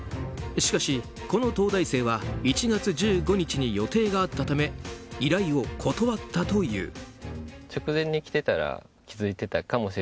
しかし、この東大生は１月１５日に予定があったため依頼を断ったという。